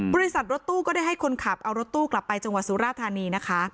บริษัทรถตู้ก็ได้ให้คนขับเอารถตู้กลับไปจังหวัดสุราธานีนะคะ